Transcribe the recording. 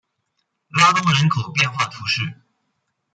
拉东人口变化图示